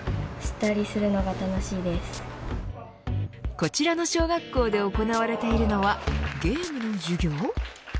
こちらの小学校で行われているのはゲームの授業。